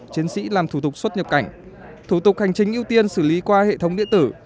chiến sĩ làm thủ tục xuất nhập cảnh thủ tục hành chính ưu tiên xử lý qua hệ thống điện tử